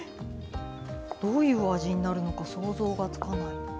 どういう味になるのか想像がつかない。